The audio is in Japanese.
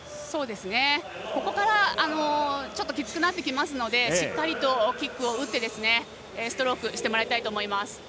ここからきつくなってきますのでしっかりとキックを打ってストロークしてほしいと思います。